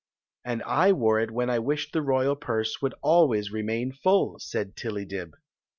"And I wore it when I wished the royai pMe would always remain full. " said TiUydib.